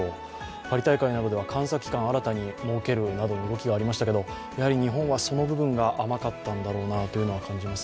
パリ大会などでは監査機関を新たに設けるなどの動きがありましたけど、日本はその部分が甘かったのだろうと思います。